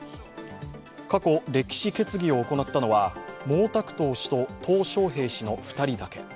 過去歴史決議を行ったのは毛沢東氏とトウ小平氏の２人だけ。